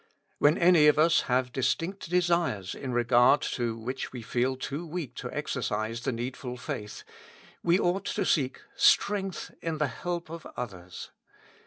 When any of us have distinct desires in regard to which we feel too weak to exer cise the needful faith, we ought to seek strength in the help of others.